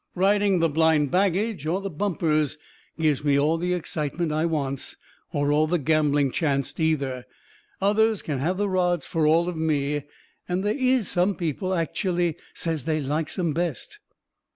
Riding the blind baggage or the bumpers gives me all the excitement I wants, or all the gambling chancet either; others can have the rods fur all of me. And they IS some people ackshally says they likes 'em best.